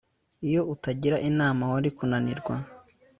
Iyo utagira inama wari kunanirwa